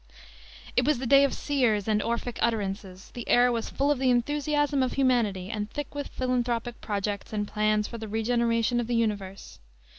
It was the day of seers and "Orphic" utterances; the air was full of the enthusiasm of humanity and thick with philanthropic projects and plans for the regeneration of the universe.